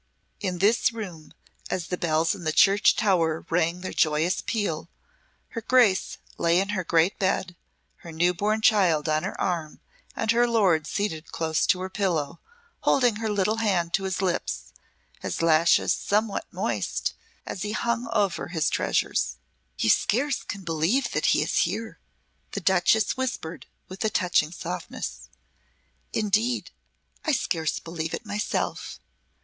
In this room as the bells in the church tower rang their joyous peal her young Grace lay in her great bed, her new born child on her arm and her lord seated close to her pillow, holding her little hand to his lips, his lashes somewhat moist as he hung over his treasures. "You scarce can believe that he is here," the Duchess whispered with a touching softness. "Indeed, I scarce believe it myself.